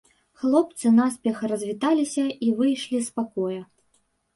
Хлопцы наспех развіталіся і выйшлі з пакоя.